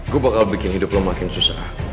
gue bakal bikin hidup lo makin susah